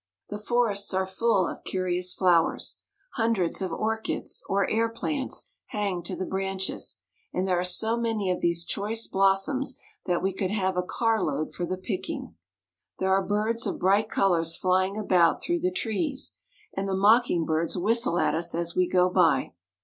The forests are full of curious flowers ; hundreds of or chids, or airplants, hang to the branches ; and there are so many of these choice blossoms that we could have a car load for the picking. There are birds of [ bright colors flying about through the trees, and the mocking birds whistle at us as we go by.